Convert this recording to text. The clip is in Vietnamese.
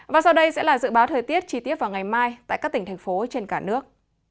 và sau đây sẽ là dự báo thời tiết chi tiết vào ngày mai tại các tỉnh thành phố trên cả nước